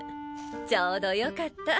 ちょうど良かった。